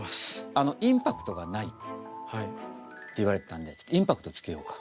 あのインパクトがないって言われてたんでインパクトつけようか。